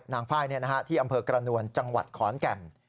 นางฟ้ายที่อำเภอกระนวรจังหวัดขอนแก่ม